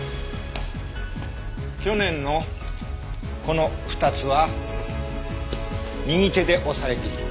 去年のこの２つは右手で押されている。